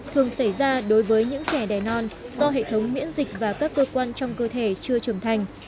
thường xảy ra đối với những trẻ đè non do hệ thống miễn dịch và các cơ quan trong cơ thể chưa trưởng thành